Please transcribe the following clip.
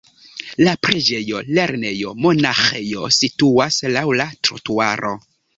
La preĝejo, lernejo, monaĥejo situas laŭ la trotuaro.